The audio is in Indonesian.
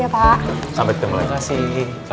perbulan enam puluh juta